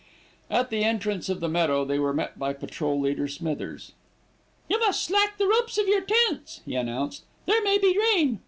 At the entrance of the meadow they were met by Patrol leader Smithers. "You must slack the ropes of your tents," he announced, "there may be rain.